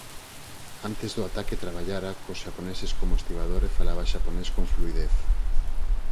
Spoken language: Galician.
Antes do ataque traballara cos xaponeses como estibador e falaba xaponés con fluidez.